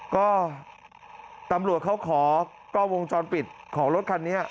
ก็ตำรวจเขาขอกล้องวงจรปิดของรถคันนี้